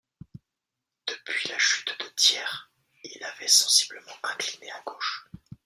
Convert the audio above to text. Depuis la chute de Thiers, il avait sensiblement incliné à gauche.